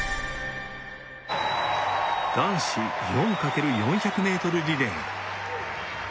男子４×４００ｍリレー